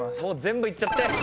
もう全部いっちゃって。